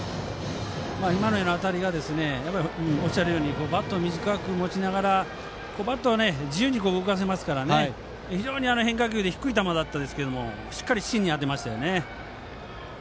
今のような当たりがおっしゃるようにバットを短く持ちながらバットを自由に動かせますから非常に変化球で低い球でしたがしっかり芯に当てましたね。